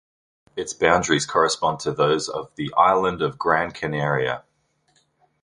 Its boundaries correspond to those of the island of Gran Canaria.